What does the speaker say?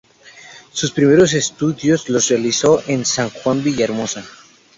Sus primeros estudios los realizó en San Juan de Villahermosa.